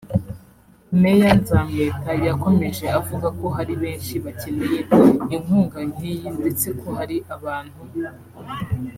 Meya Nzamwita yakomeje avuga ko hari benshi bakeneye inkunga nk’iyi ndetse ko hari abantu